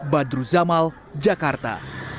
badru zamal jakarta